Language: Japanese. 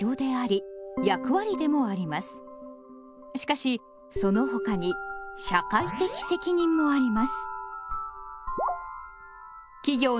しかしそのほかに「社会的責任」もあります。